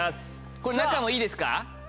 これ中もいいですか？